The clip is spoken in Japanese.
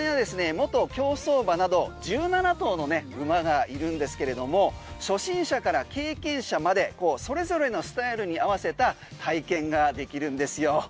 元競走馬など１７頭の馬がいるんですけれども初心者から経験者までそれぞれのスタイルに合わせた体験ができるんですよ。